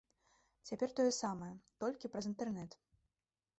Цяпер тое самае, толькі праз інтэрнэт.